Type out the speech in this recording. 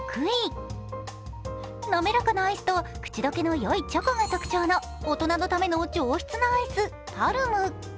滑らかなアイスと口溶けのよいチョコが特徴の大人のための上質なアイス、パルム。